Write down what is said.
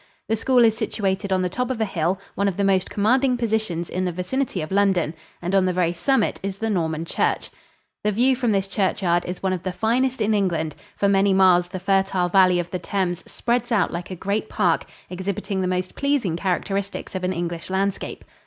The school is situated on the top of a hill, one of the most commanding positions in the vicinity of London, and on the very summit is the Norman church. The view from this churchyard is one of the finest in England. For many miles the fertile valley of the Thames spreads out like a great park, exhibiting the most pleasing characteristics of an English landscape.